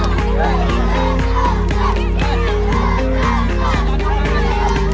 สวัสดีครับทุกคน